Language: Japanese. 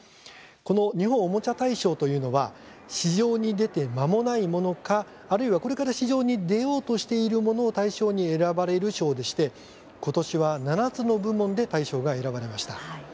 この日本おもちゃ大賞というのは市場に出て、まもないものかあるいは、これから市場に出ようとしているものを対象に選ばれる賞でしてことしは７つの部門で大賞が選ばれました。